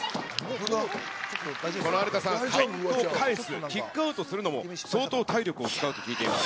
有田さん、かえす、キックアウトするのも、相当体力を使うと聞いています。